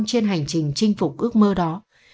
trên hành trình chinh phục ước mơ đó